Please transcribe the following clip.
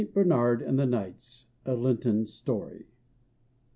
BERNARD AND THE KNIGHTS. A LENTEN STORY.